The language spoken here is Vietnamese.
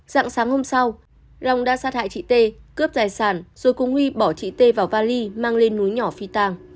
dặn sáng hôm sau lòng đã sát hại chị tê cướp tài sản rồi cùng huy bỏ chị tê vào vali mang lên núi nhỏ phi tàng